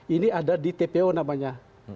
ini ada di tpu namanya